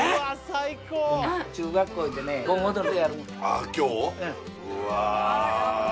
ああ今日？